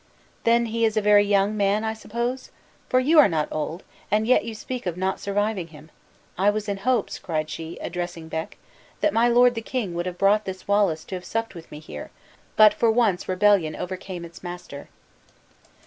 "Then he is a very young man, I suppose? for you are not old, and yet you speak of not surviving him. I was in hopes," cried she, addressing Beck, "that my lord the king would have brought this Wallace to have supped with me here; but for once rebellion overcame its master."